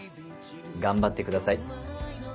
頑張ってください。